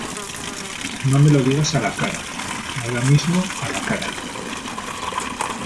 no me lo digas a la cara . ahora mismo , a la cara .